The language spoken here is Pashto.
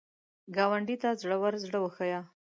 ګاونډي ته زړور زړه وښیه